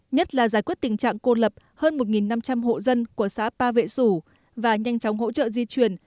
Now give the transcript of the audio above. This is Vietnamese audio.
nhất là giải quyết tình trạng cô lập hơn một năm trăm linh hộ dân của xã ba vệ sủ và nhanh chóng hỗ trợ di chuyển